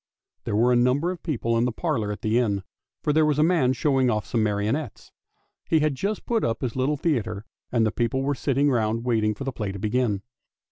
There were a number of people in the parlour at the inn, for there was a man showing off some marionettes. He had just put up his little theatre, and the people were sitting round waiting for the play to begin.